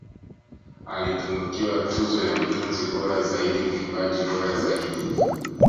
Alitunukiwa tuzo za Mtunzi bora zaidi mwimbaji bora zaidi